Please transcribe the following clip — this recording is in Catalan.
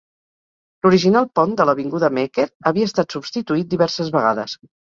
L'original pont de l'avinguda Meeker havia estat substituït diverses vegades.